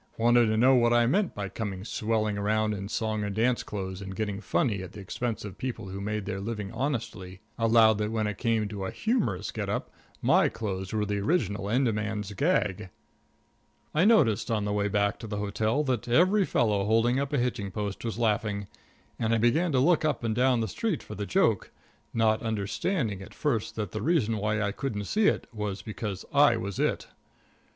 Wanted to know what I meant by coming swelling around in song and dance clothes and getting funny at the expense of people who made their living honestly. Allowed that when it came to a humorous get up my clothes were the original end man's gag. I noticed on the way back to the hotel that every fellow holding up a hitching post was laughing, and I began to look up and down the street for the joke, not understanding at first that the reason why I couldn't see it was because I was it.